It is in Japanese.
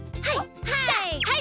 はい。